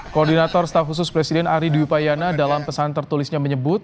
koordinator staf khusus presiden ari dwi payana dalam pesan tertulisnya menyebut